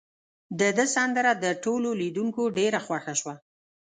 د ده سندره د ټولو لیدونکو ډیره خوښه شوه.